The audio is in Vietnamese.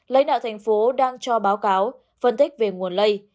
lây nạo thành phố đang cho báo cáo phân tích về nguồn lây